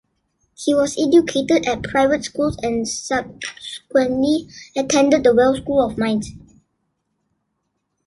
He was educated at private schools and subsequently attended the Welsh School of Mines.